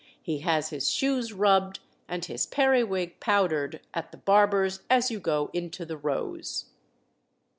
He has his shoes rubbed and his periwig powdered at the barber's as you go into the Rose."